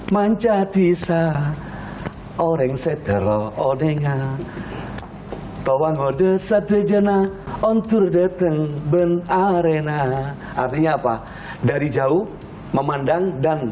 batu yang panjang agak panjang sekitar dua ratus meter